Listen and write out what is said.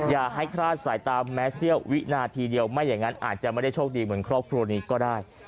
อย่าให้คลาดสายตาแม้เสี้ยววินาทีเดียวไม่อย่างนั้นอาจจะไม่ได้โชคดีเหมือนครอบครัวนี้ก็ได้